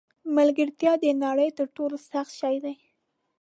ملګرتیا د نړۍ تر ټولو سخت شی دی.